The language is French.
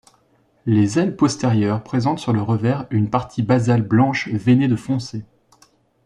Les ailes postérieures présentent sur le revers une partie basale blanche veinée de foncé.